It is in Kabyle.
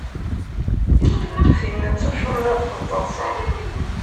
Tinna! d taculliḍt n teḍsa.